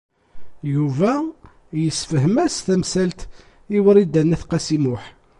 Yuba yessefhem-as tamsalt i Wrida n At Qasi Muḥ.